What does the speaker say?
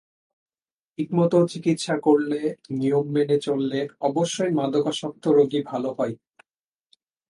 ঠিকমতো চিকিৎসা করলে, নিয়ম মেনে চললে অবশ্যই মাদকাসক্ত রোগী ভালো হয়।